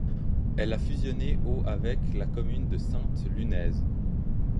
Elle a fusionné au avec la commune de Sainte-Lunaise.